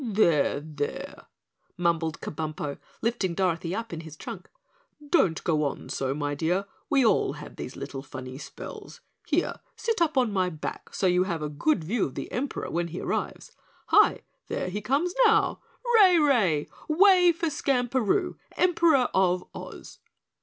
"There, there," mumbled Kabumpo, lifting Dorothy up in his trunk. "Don't go on so, my dear, we all have these little funny spells. Here, sit up on my back so you'll have a good view of the Emperor when he arrives. Hi there he comes now! Ray! Ray! Way for Skamperoo, Emperor of Oz!"